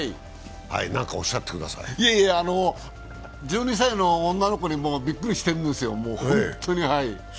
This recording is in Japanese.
１２歳の女の子にもうびっくりしてるんですよ、本当に。